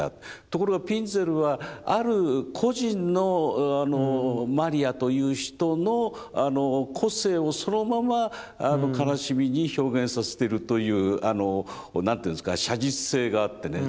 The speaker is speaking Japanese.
ところがピンゼルはある個人のマリアという人の個性をそのまま悲しみに表現させてるという何ていうんですか写実性があってね